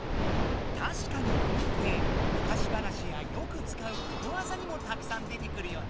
たしかに鬼ってむかし話やよくつかうことわざにもたくさん出てくるよね。